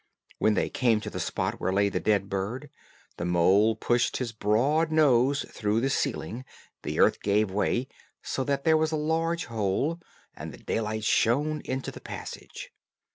When they came to the spot where lay the dead bird, the mole pushed his broad nose through the ceiling, the earth gave way, so that there was a large hole, and the daylight shone into the passage.